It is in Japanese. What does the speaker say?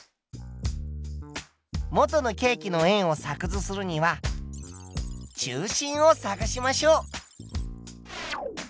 元のケーキの円を作図するには中心を探しましょう。